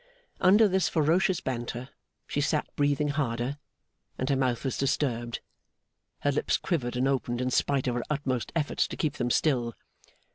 Under this ferocious banter, she sat breathing harder, and her mouth was disturbed. Her lips quivered and opened, in spite of her utmost efforts to keep them still.